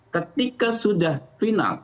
ketika sudah final